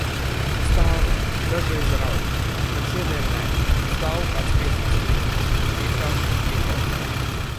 Stāvu, dažreiz raudu, bet šodien nē, stāvu kādas piecpadsmit minūtes – vienkārši iepauzēju.